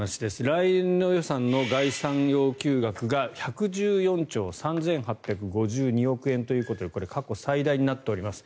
来年度予算の概算要求額が１１４兆３８５２億円ということでこれ、過去最大になっています。